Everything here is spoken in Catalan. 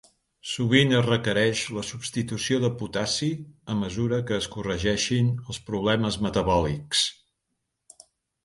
Sovint es requereix la substitució de potassi a mesura que es corregeixin els problemes metabòlics.